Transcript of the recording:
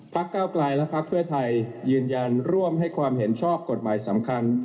ก้าวกลายและพักเพื่อไทยยืนยันร่วมให้ความเห็นชอบกฎหมายสำคัญ